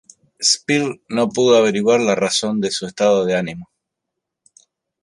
Speer no pudo averiguar la razón de su estado de ánimo.